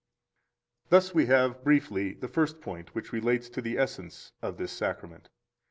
20 Thus we have briefly the first point which relates to the essence of this Sacrament.